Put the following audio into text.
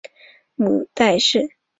母戴氏。